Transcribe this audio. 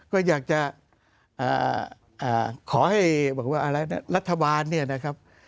ก็อยากจะอ่าอ่าขอให้บอกว่าอะไรนะรัฐบาลเนี้ยนะครับ